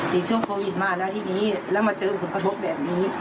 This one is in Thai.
ช่วงโควิดมานะที่นี้แล้วมาเจอผลกระทบแบบนี้